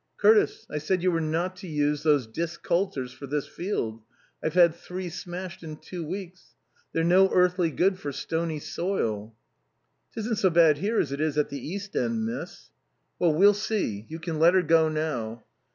Curtis, I said you were not to use those disc coulters for this field. I've had three smashed in two weeks. They're no earthly good for stony soil." "Tis n' so bad 'ere as it is at the east end, miss." "Well, we'll see. You can let her go now."